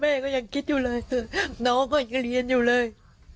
แม่ก็ยังคิดอยู่เลยคือน้องก็ยังเรียนอยู่เลย